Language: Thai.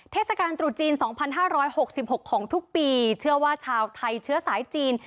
เทศกาลตรวจจีนสองพันห้าร้อยหกสิบหกของทุกปีเชื่อว่าชาวไทยเชื้อสายจีน